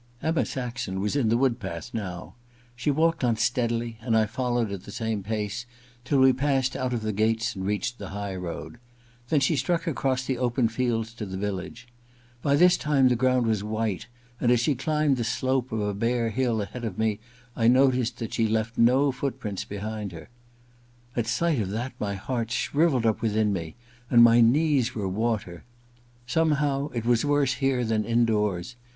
Emma Saxon was in the wood path now. She walked on steadily, and I followed at the same pace till we passed out of the gates and reached the highroad. Then she struck across the open fields to the village. By this time the ground was white, and as she climbed the slope of a bare hill ahead of me I noticed that she left no footprints behind her. At sight of that my heart shrivelled up within me and my knees were water. Somehow it was worse here than indoors.